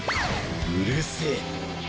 うるせぇ。